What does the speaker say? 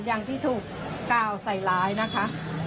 อย่างที่ถูกก้าวทรายลายนะคะ